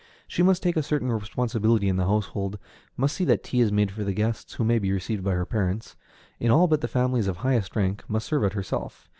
She must take a certain responsibility in the household; must see that tea is made for the guests who may be received by her parents, in all but the families of highest rank, must serve it herself.